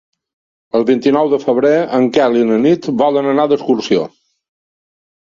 El vint-i-nou de febrer en Quel i na Nit volen anar d'excursió.